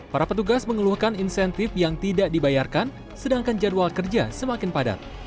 para petugas mengeluhkan insentif yang tidak dibayarkan sedangkan jadwal kerja semakin padat